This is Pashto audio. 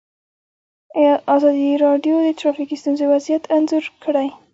ازادي راډیو د ټرافیکي ستونزې وضعیت انځور کړی.